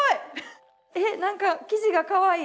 え何か生地がかわいい。